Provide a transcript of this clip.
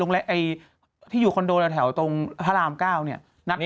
และพี่อยู่คอนโดส่วนแถวตรงพระราม๙เนี่ย